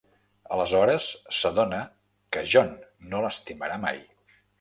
Aleshores s’adona que John no l'estimarà mai.